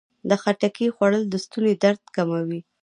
د خټکي خوړل د ستوني درد کموي.